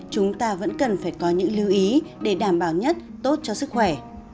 chúng ta vẫn cần phải có những lưu ý để đảm bảo nhất tốt cho sức khỏe